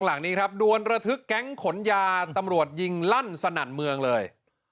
หลังนี้ครับดวนระทึกแก๊งขนยาตำรวจยิงลั่นสนั่นเมืองเลย